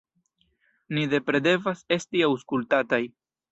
Ni nepre devas esti aŭskultataj.